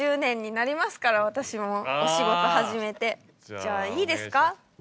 じゃあいいですか。